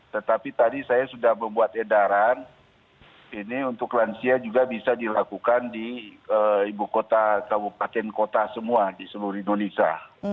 tetapi tadi saya sudah membuat edaran ini untuk lansia juga bisa dilakukan di ibu kota kabupaten kota semua di seluruh indonesia